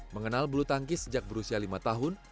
mengenal bulu tangkis sejak berusia lima tahun